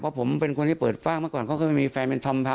เพราะผมเป็นคนที่เปิดฟากเมื่อก่อนเขาก็ไม่มีแฟนเป็นธอมพระ